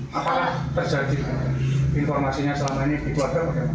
apakah terjadi informasinya selama ini di luar daerah